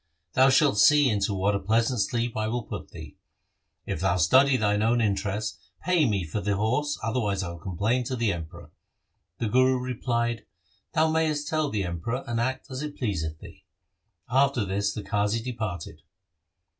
Thou shalt see into what a pleasant sleep I will put thee. If thou study thine own interests, pay me for the horse, otherwise I will complain to the Emperor.' The Guru replied, ' Thou mayest tell the Emperor and act as it please th thee.' After this the Qazi departed.